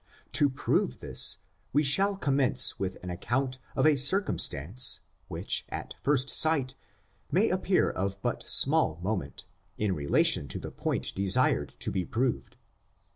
Toprove this, we shall commence with an account of a cir cumstance, which, at first sight, may appear of but small moment, hi relation to the point desired to be proved.